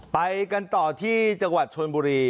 ไปกันต่อที่จังหวัดชนบุรี